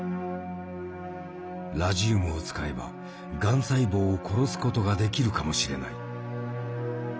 ラジウムを使えばがん細胞を殺すことができるかもしれない。